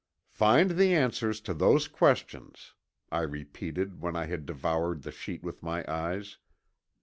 "Find the answers to those questions!" I repeated when I had devoured the sheet with my eyes.